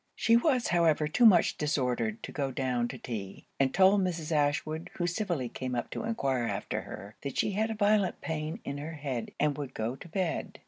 She was however too much disordered to go down to tea; and told Mrs. Ashwood, who civilly came up to enquire after her, that she had a violent pain in her head and would go to bed.